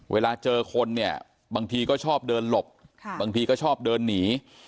เวลาเจอคนเนี่ยบางทีก็ชอบเดินหลบบางทีก็ชอบเดินหนี